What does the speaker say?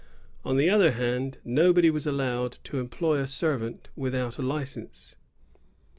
^ On the other hand, nobody was allowed to employ a servant without a license.'